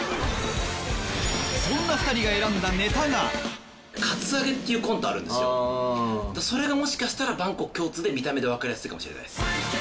そんな２人が選んだネタがそれがもしかしたら万国共通で見た目で分かりやすいかもしれないです。